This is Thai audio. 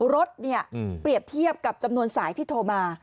รถเนี่ยเปรียบเทียบกับจำนวนสายที่โทรมา